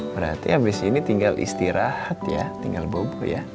berarti abis ini tinggal istirahat ya tinggal bobo ya